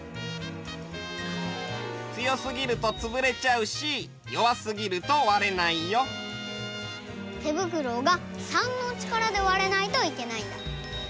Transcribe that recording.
強すぎるとつぶれちゃうしよわすぎるとわれないよ。てぶくろうが３の力でわらないといけないんだ。